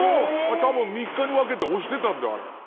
たぶん３日に分けて押してたんだあれ。